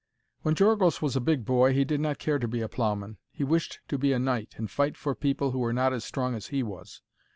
When Georgos was a big boy he did not care to be a ploughman. He wished to be a knight and fight for people who were not as strong as he was.